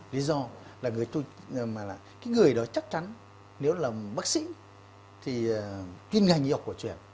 lý do là người đó chắc chắn nếu là bác sĩ thì kinh ngành y học của chuyện